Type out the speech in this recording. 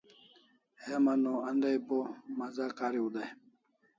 Heman o andai bo Maza kariu dai